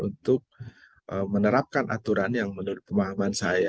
untuk menerapkan aturan yang menurut pemahaman saya